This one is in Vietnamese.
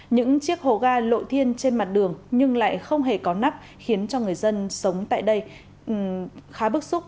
những chiếc hồ ga lộ thiên trên mặt đường nhưng lại không hề có nắp khiến cho người dân sống tại đây khá bức xúc